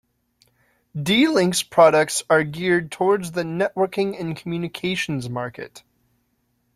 D-Link's products are geared towards the networking and communications market.